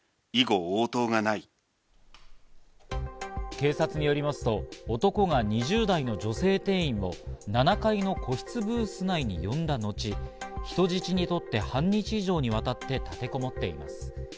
警察によりますと、男が２０代の女性店員を７階の個室ブース内に呼んだ後、人質に取って半日以上にわたって立てこもっています。